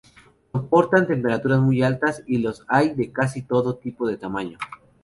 Soportan temperaturas muy altas y los hay de casi todo tipo de tamaño.